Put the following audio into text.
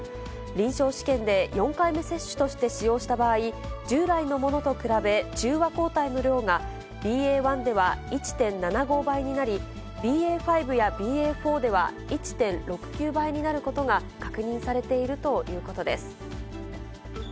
臨床試験で４回目接種として使用した場合、従来のものと比べ、中和抗体の量がＢＡ．１では１．７５倍になり、ＢＡ．５やＢＡ．４では、１．６９倍になることが確認されているということです。